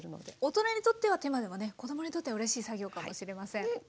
ねっ大人にとっては手間でもね子どもにとってはうれしい作業かもしれません。